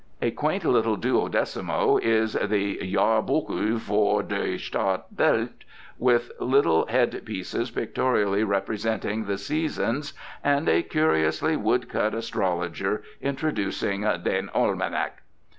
A quaint little duodecimo is the "Jaarbockie voor de Stad Delft," with little headpieces pictorially representing the seasons and a curiously wood cut astrologer introducing "den Almanak."